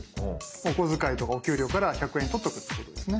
お小遣いとかお給料から１００円取っとくってことですね。